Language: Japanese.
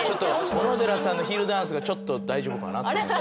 小野寺さんのヒールダンスちょっと大丈夫かなって。